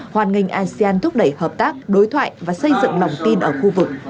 hoàn nghênh asean thúc đẩy hợp tác đối thoại và xây dựng lòng tin ở khu vực